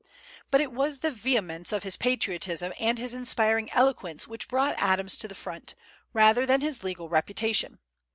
But it was the vehemence of his patriotism and his inspiring eloquence which brought Adams to the front, rather than his legal reputation.